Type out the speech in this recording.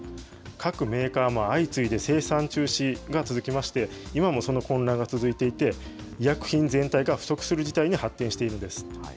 各メーカーも相次いで生産中止が続きまして、今もその混乱が続いていて、医薬品全体が不足する事態に発展しているんです。